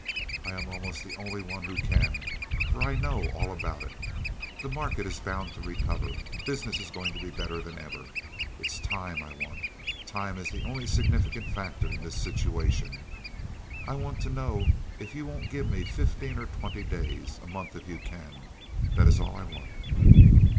I am almost the only one who can, for I know all about it. The market is bound to recover. Business is going to be better than ever. It's time I want. Time is the only significant factor in this situation. I want to know if you won't give me fifteen or twenty days—a month, if you can. That is all I want."